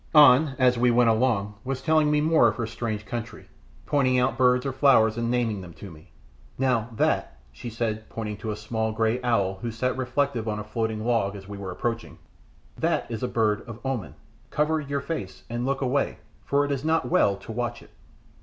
An, as we went along, was telling me more of her strange country, pointing out birds or flowers and naming them to me. "Now that," she said, pointing to a small grey owl who sat reflective on a floating log we were approaching "that is a bird of omen; cover your face and look away, for it is not well to watch it."